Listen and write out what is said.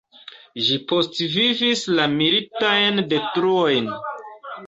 Ĝi postvivis la militajn detruojn.